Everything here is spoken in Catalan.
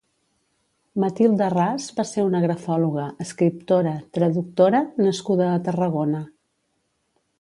Matilde Ras va ser una grafòloga, escriptora, traductora nascuda a Tarragona.